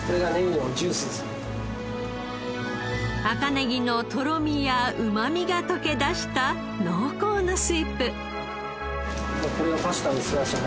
赤ネギのとろみやうまみが溶け出した濃厚なスープ。